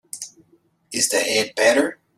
Is the head better?